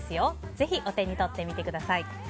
ぜひお手に取ってみてください。